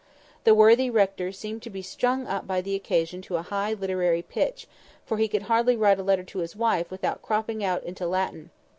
The worthy rector seemed to be strung up by the occasion to a high literary pitch, for he could hardly write a letter to his wife without cropping out into Latin.